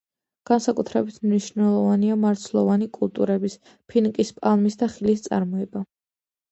განსაკუთრებით მნიშვნელოვანია მარცვლოვანი კულტურების, ფინიკის პალმის და ხილის წარმოება.